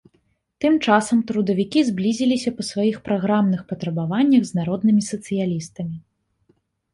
Тым часам трудавікі зблізіліся па сваіх праграмных патрабаваннях з народнымі сацыялістамі.